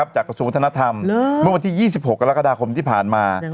กระทรวงธนธรรมเมื่อวันที่๒๖กรกฎาคมที่ผ่านมา